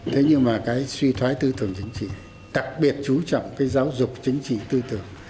thế nhưng mà cái suy thoái tư tưởng chính trị đặc biệt chú trọng cái giáo dục chính trị tư tưởng